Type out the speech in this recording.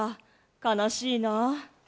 悲しいな。